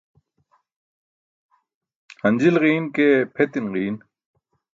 Hanjil ġiin ke pʰetin ġiin.